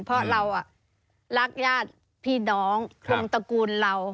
เพราะเรารักญาติพี่น้องวงตระกูลเรา